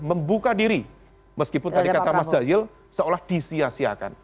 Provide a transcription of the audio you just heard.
membuka diri meskipun tadi kata mas zahil seolah disiasiakan